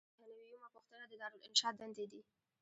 نهه نوي یمه پوښتنه د دارالانشا دندې دي.